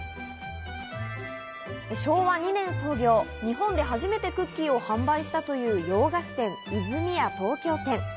昭和２年創業、日本で初めてクッキーを販売したという洋菓子店、泉屋東京店。